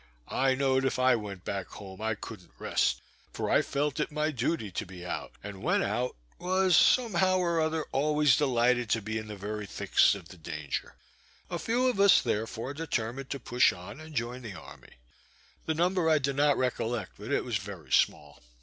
I knowed if I went back home I couldn't rest, for I felt it my duty to be out; and when out was, somehow or other, always delighted to be in the very thickest of the danger. A few of us, therefore, determined to push on and join the army. The number I do not recollect, but it was very small.